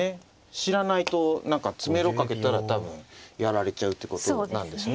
知らないと何か詰めろかけたら多分やられちゃうってことなんですね。